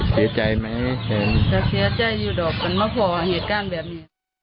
เสียใจอยู่ดอกกันเมื่อพอเหตุการณ์แบบนี้